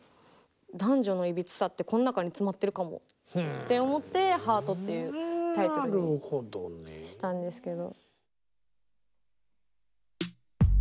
男女のいびつさってこん中に詰まってるかもって思って「ハート」っていうタイトルにしたんですけど。